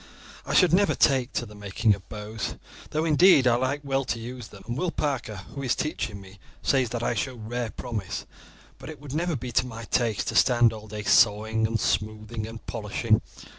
I should never take to the making of bows, though, indeed, I like well to use them; and Will Parker, who is teaching me says that I show rare promise; but it would never be to my taste to stand all day sawing, and smoothing, and polishing.